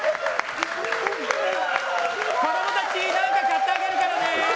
子供たち何か買ってあげるからね！